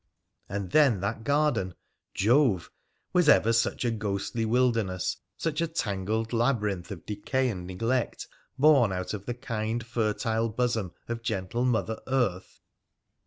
And then that garden ! Jove ! Was ever such a ghostly wilderness, such a tangled labyrinth of decay and neglect born out of the kind fertile bosom of gentle Mother Earth